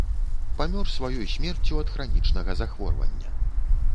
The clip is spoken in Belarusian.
Памёр сваёй смерцю ад хранічнага захворвання.